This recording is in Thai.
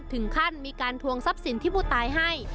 ถึงขั้นมีการทวงทรัพย์สินที่ผู้ตายให้